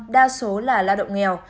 đa số là lao động nghèo